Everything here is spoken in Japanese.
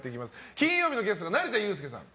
金曜日のゲストが成田悠輔さん